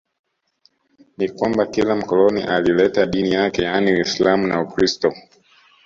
Ni kwamba kila mkoloni alileta dini yake yaani Uislamu na Ukristo